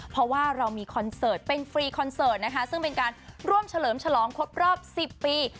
เพราะว่าเรามีคอนเสิร์ตเป็นฟรีคอนเสิร์ตนะคะซึ่งเป็นการร่วมเฉลิมฉลองครบรอบ๑๐ปี